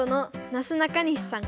なすなかにしさん。